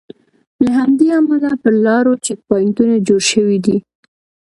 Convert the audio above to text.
له همدې امله پر لارو چیک پواینټونه جوړ شوي دي.